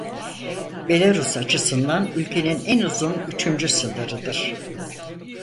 Belarus açısından ülkenin en uzun üçüncü sınırıdır.